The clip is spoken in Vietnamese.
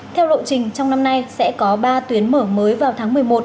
theo lộ trình trong năm nay sẽ có ba tuyến mở mới vào tháng một mươi một